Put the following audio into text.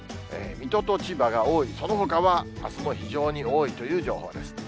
水戸と千葉が多い、そのほかはあすも非常に多いという情報です。